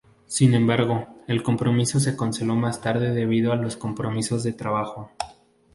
Sin embargo, el compromiso se canceló más tarde debido a los compromisos de trabajo.